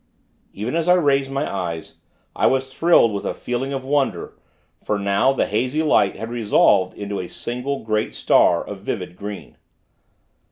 Even as I raised my eyes, I was thrilled with a feeling of wonder; for, now, the hazy light had resolved into a single, great star, of vivid green.